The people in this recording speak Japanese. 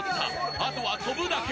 あとは飛ぶだけ。